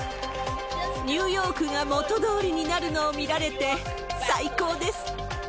ニューヨークが元どおりになるのを見られて最高です。